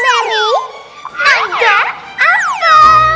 kami ada info